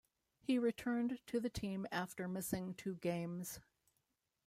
He returned to the team after missing two games.